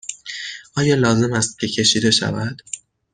آیا لازم است که کشیده شود؟